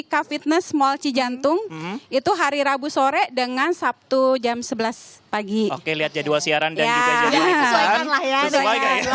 kafitness mall cijantung itu hari rabu sore dengan sabtu jam sebelas pagi oke lihat jadwal siaran dan juga jadwal sesuai